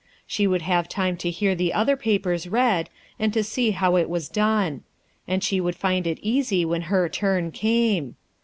She would have time to hear the other papers read, and to see how it was done; and she would find it easy when her turn came.